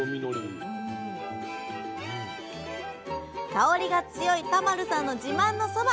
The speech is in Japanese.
香りが強い田丸さんの自慢のそば